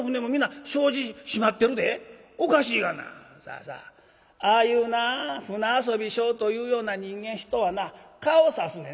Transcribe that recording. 「さあさあ。ああいうな船遊びしようというような人間人はな顔さすねん。